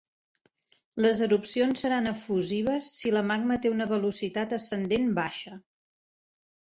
Les erupcions seran efusives si la magma té una velocitat ascendent baixa.